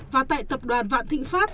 và tại tập đoàn vạn thịnh pháp